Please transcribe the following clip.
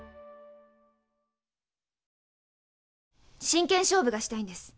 真剣勝負がしたいんです。